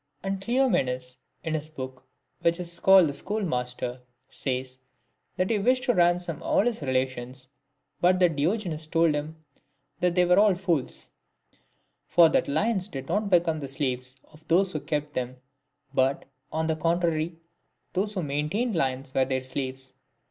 And Cleomenes, in his book which is called the Schoolmaster, says, that he wished to ransom all his relations, but that Diogenes told him that they were all fools ; for that lions did not become the slaves of those who kept them, but, on the contrary, those who main tained lions were their slaves.